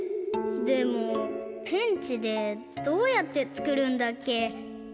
でもペンチでどうやってつくるんだっけ？